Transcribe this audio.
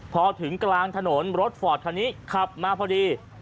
พอถึงกลางถนนรถฟอร์ดคันนี้ขับมาพอดี